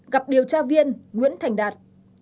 gặp điều tra viên nguyễn thành đạt